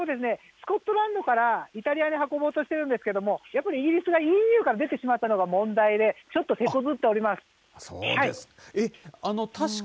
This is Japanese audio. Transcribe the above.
スコットランドからイタリアに運ぼうとしてるんですけれども、やっぱりイギリスがＥＵから出てしまったのが問題で、ちょっとてこそうですか。